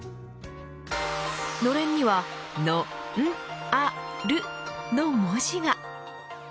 のれんにはのんあるの文字が。